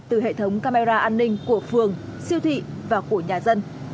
từ hệ thống camera an ninh của phường siêu thị và của nhà dân